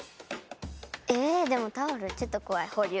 えでもタオルちょっと怖い。